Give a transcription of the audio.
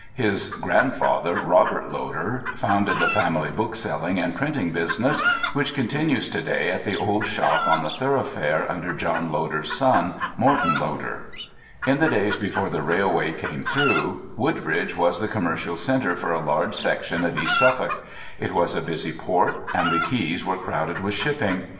His grandfather, Robert Loder, founded the family bookselling and printing business, which continues to day at the old shop on the Thoroughfare under John Loder's son, Morton Loder. In the days before the railway came through, Woodbridge was the commercial centre for a large section of East Suffolk; it was a busy port, and the quays were crowded with shipping.